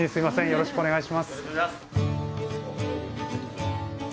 よろしくお願いします。